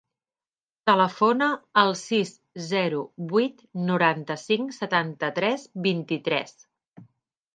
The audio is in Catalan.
Telefona al sis, zero, vuit, noranta-cinc, setanta-tres, vint-i-tres.